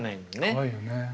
怖いよね。